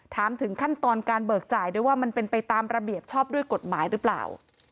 ถามถึงขั้นตอนการเบิกจ่ายด้วยว่ามันเป็นไปตามระเบียบชอบด้วยกฎหมายหรือเปล่า